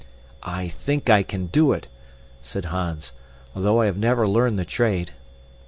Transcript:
"I THINK I can do it," said Hans, "though I have never learned the trade."